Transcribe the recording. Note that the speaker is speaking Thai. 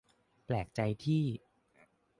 แปลกใจที่